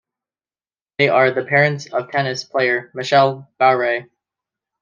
They are the parents of tennis player Michelle Bowrey.